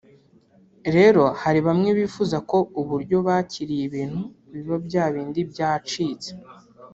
rero hari bamwe bifuza ko uburyo bakiriye ibintu biba bya bindi bya byacitse